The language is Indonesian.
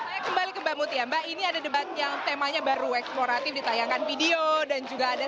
saya kembali ke mbak mutia mbak ini ada debat yang temanya baru eksploratif ditayangkan video dan juga ada